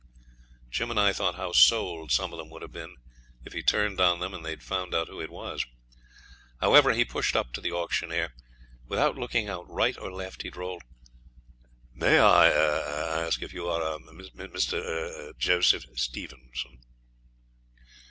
Jim and I thought how sold some of them would have been if he turned on them and they'd found out who it was. However, he pushed up to the auctioneer, without looking out right or left, and drawled 'May I er ask if you are Mr. er Joseph Stevenson?'